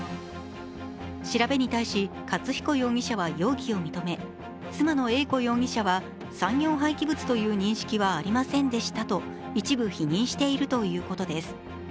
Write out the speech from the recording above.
調べに対し、勝彦容疑者は容疑を認め、妻の英子容疑者は産業廃棄物という認識はありませんでしたと一部否認しているということです。